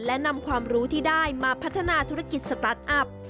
และนำความรู้ที่ได้มาพัฒนาธุรกิจสตาร์ทอัพ